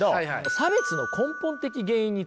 差別の根本的原因についてね